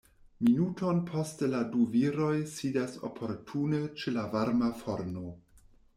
Minuton poste la du viroj sidas oportune ĉe la varma forno.